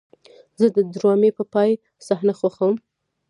زه د ډرامې د پای صحنه خوښوم.